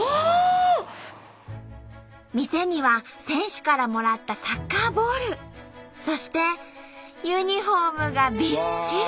店には選手からもらったサッカーボールそしてユニフォームがびっしり。